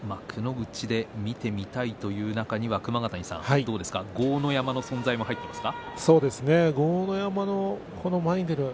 幕内で見てみたいという中には熊ヶ谷さん、豪ノ山の存在も入っていますか。